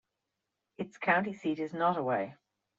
Its county seat is Nottoway.